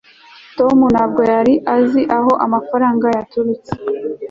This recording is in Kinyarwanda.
tom ntabwo yari azi aho amafaranga yaturutse